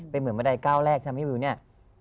เป็นเหมือนกับเมื่อใดเก้าแรกได้ให้วิวนี้